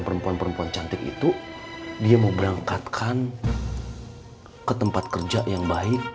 perempuan perempuan cantik itu dia mau berangkatkan ke tempat kerja yang baik